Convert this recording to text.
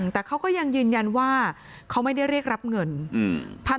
แต่เขาก็ยังยืนยันว่าเขาไม่ได้เรียกรับเงิน